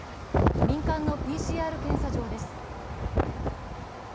民間のＰＣＲ検査場です。